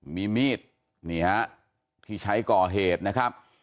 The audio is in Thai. มีมีดนี่ฮะที่ใช้ก่อเหตุนะครับ